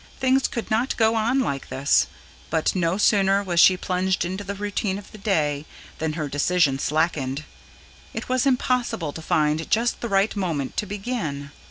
Things could not go on like this. But no sooner was she plunged into the routine of the day than her decision slackened: it was impossible to find just the right moment to begin.